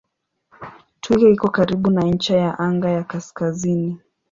Twiga iko karibu na ncha ya anga ya kaskazini.